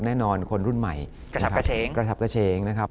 แน่นอนคนรุ่นใหม่กระชับกระเชงนะครับ